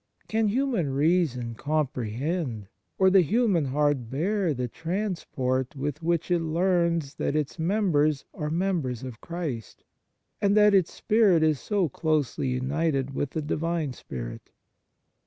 Can human reason comprehend, or the human heart bear the transport with which it learns, that its members are members of Christ, and that its spirit is so closely united with the Divine Spirit